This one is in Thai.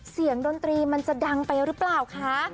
ดนตรีมันจะดังไปหรือเปล่าคะ